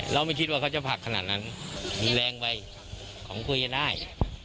ไม่คิดว่าเขาจะผลักขนาดนั้นมีแรงไปของคุยกันได้